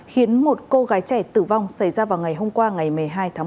khiến một cô gái trẻ tử vong xảy ra vào ngày hôm qua ngày một mươi hai tháng một